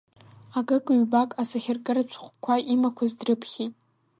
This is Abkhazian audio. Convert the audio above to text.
Акык-ҩбак асахьаркыратә шәҟәқәа имақәаз дрыԥхьеит.